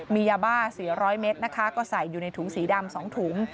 มียาบ้าเสียร้อยเม็ดนะคะก็ใส่อยู่ในถุงสีดำสองถุง